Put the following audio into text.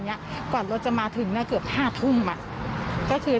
แล้วคนกลับหมดแล้วน่าจะดี